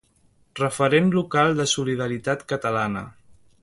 Referent local de Solidaritat Catalana.